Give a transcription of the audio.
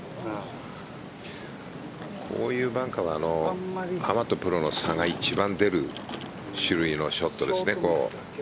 こういうバンカーはアマとプロの差が１番出る種類のショットですね。